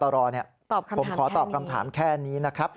ตอบคำถามแค่นี้ผมขอตอบคำถามแค่นี้นะครับ